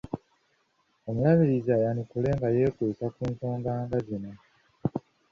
Omuluubirizi ayanukule nga yeekuusa ku nsonga nga zino: